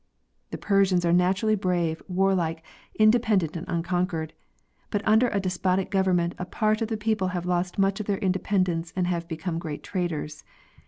The Persians are naturally brave, warlike, independent and unconquered, but under a despotic government a part of the people have lost much of their independence and have become great traders.